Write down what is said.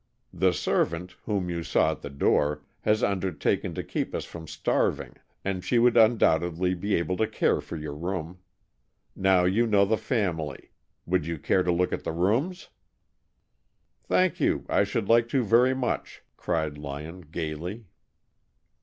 The servant, whom you saw at the door, has undertaken to keep us from starving, and she would undoubtedly be able to care for your room. Now you know the family. Would you care to look at the rooms?" "Thank you, I should like to very much," cried Lyon gayly.